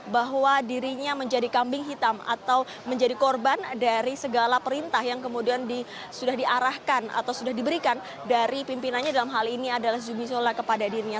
bahwa dirinya menjadi kambing hitam atau menjadi korban dari segala perintah yang kemudian sudah diarahkan atau sudah diberikan dari pimpinannya dalam hal ini adalah zubizola kepada dirinya